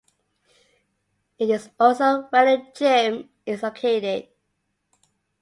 It is also where the gym is located.